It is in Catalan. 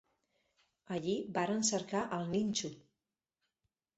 Allí varen cercar el ninxo